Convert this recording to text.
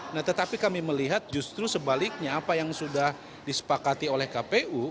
nah tetapi kami melihat justru sebaliknya apa yang sudah disepakati oleh kpu